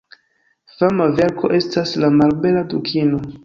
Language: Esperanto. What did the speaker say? Fama verko estas "La malbela dukino".